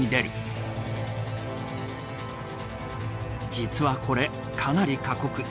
実はこれかなり過酷。